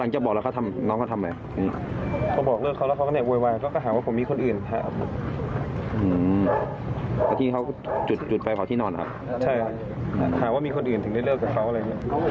จุดไปขวาที่นอนครับใช่หาว่ามีคนอื่นถึงได้เลิกกับเขาอะไรอย่างนี้